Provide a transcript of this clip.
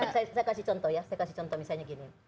saya kasih contoh ya saya kasih contoh misalnya gini